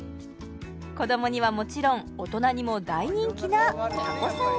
子どもにはもちろん大人にも大人気なタコさん